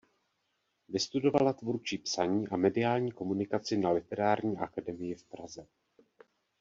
Vystudovala tvůrčí psaní a mediální komunikaci na Literární akademii v Praze.